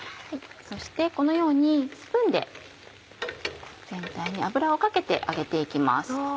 そしてこのようにスプーンで全体に油をかけて揚げて行きます。